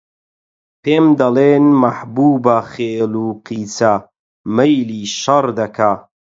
پێم دەڵێن: مەحبووبە خێل و قیچە، مەیلی شەڕ دەکا